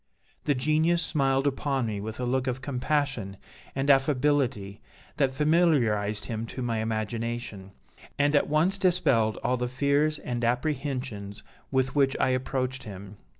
The Genius smiled upon me with a look of compassion and affability that familiarized him to my imagination, and at once dispelled all the fears and apprehensions with which I approached him.